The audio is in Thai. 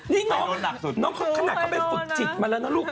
นี่น้องเขาขนาดเขาไปฝึกจิตมาแล้วนะลูก